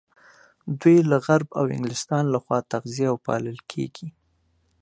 دوی له غرب او انګلستان لخوا تغذيه او پالل کېږي.